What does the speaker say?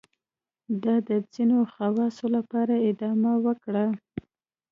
دا د ځینو خواصو لپاره ادامه وکړه.